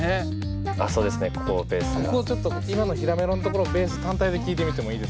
ここちょっと今の平メロのところベース単体で聴いてみてもいいですか？